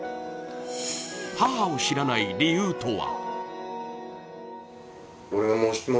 母を知らない理由とは？